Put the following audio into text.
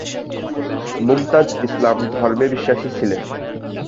মুমতাজ ইসলাম ধর্মে বিশ্বাসী ছিলেন।